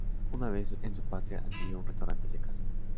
Una vez en su patria, adquirió un restaurante y se casó.